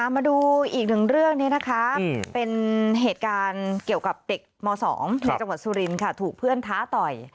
มาดูอีกหนึ่งเรื่องนี้นะคะเป็นเหตุการณ์เกี่ยวกับเด็กม๒ในจังหวัดสุรินค่ะถูกเพื่อนท้าต่อย